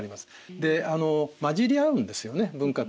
で混じりあうんですよね文化って。